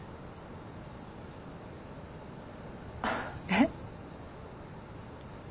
えっ？